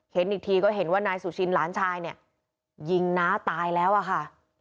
เห็นอีกทีก็เห็นว่านายสุชินหลานชายเนี่ยยิงน้าตายแล้วอะค่ะ